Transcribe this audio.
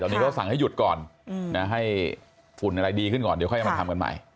ตอนนี้เขาสั่งให้หยุดก่อนให้ฝุ่นอะไรดีขึ้นก่อนเดี๋ยวค่อยมาทำกันใหม่